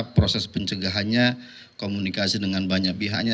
proses pencegahannya komunikasi dengan banyak pihaknya